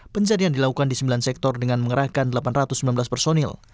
pencarian dilakukan di sembilan sektor dengan mengerahkan delapan ratus sembilan belas personil